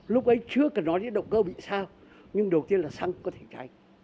lúc ấy chưa cần nói đến động cơ bị sao nhưng đầu tiên là xăng có thể cháy